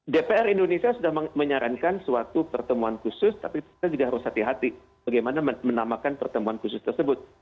dpr indonesia sudah menyarankan suatu pertemuan khusus tapi kita juga harus hati hati bagaimana menamakan pertemuan khusus tersebut